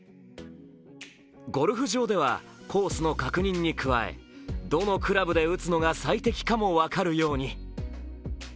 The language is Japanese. ゴルフ場ではコースの確認に加え、どのクラブで打つのが最適かも分かるように。